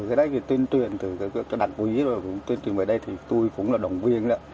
cái đấy thì tuyên truyền từ đặt quý rồi tuyên truyền về đây thì tôi cũng là đồng viên